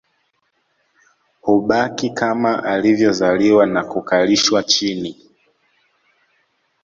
Hubaki kama alivyozaliwa na kukalishwa chini